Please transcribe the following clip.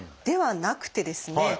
ではなくてですね